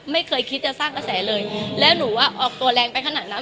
ไม่เคยคิดจะสร้างกระแสเลยแล้วหนูว่าออกตัวแรงไปขนาดนั้น